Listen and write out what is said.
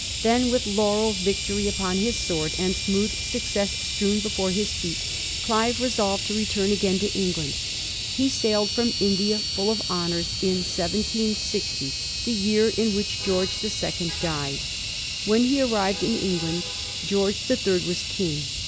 Then, with laurel victory upon his sword, and smooth success strewn before his feet, Clive resolved to return again to England. He sailed from India, full of honors, in 1760, the year in which Oeorge the Second died. When he arrived in England George the Third was king.